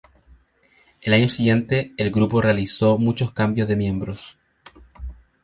El año siguiente, el grupo realizó muchos cambios de miembros.